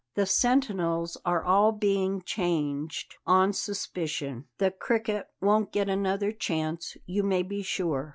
The sentinels are all being changed, on suspicion. The Cricket won't get another chance, you may be sure."